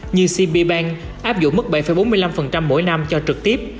như cb bank áp dụng mức bảy bốn mươi năm mỗi năm cho trực tiếp